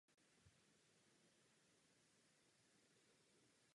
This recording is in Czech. Z hlediska současné situace nepodporuji geologické skladování uhlíku.